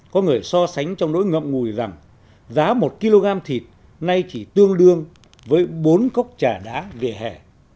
có người so sánh trong nỗi ngậm ngùi rằng giá một kg thịt nay chỉ tương đương với bốn cốc trà đá về hè